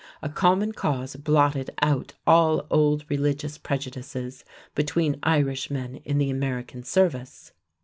A common cause blotted out all old religious prejudices between Irishmen in the American service.